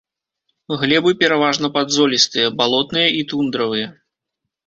Глебы пераважна падзолістыя, балотныя і тундравыя.